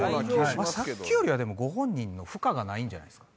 さっきよりはご本人の負荷がないんじゃないですか。